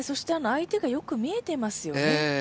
相手がよく見えてますよね。